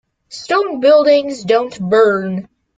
Stone buildings don't burn.